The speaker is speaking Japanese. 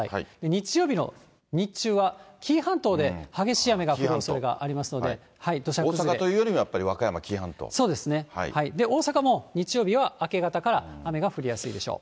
日曜日の日中は紀伊半島で激しい雨が降るおそれがありますので、大阪というよりは和歌山、そうですね、大阪も日曜日は明け方から雨が降りやすいでしょう。